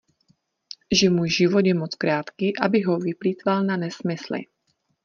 Že můj život je moc krátký, abych ho vyplýtval na nesmysly.